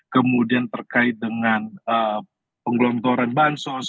kemudian terkait dengan penggelontoran bansos